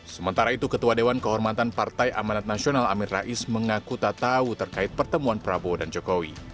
sementara itu ketua dewan kehormatan partai amanat nasional amin rais mengaku tak tahu terkait pertemuan prabowo dan jokowi